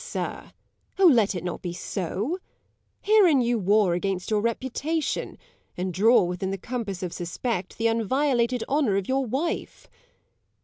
Bal. Have patience, sir; O, let it not be so! 85 Herein you war against your reputation, And draw within the compass of suspect Th' unviolated honour of your wife.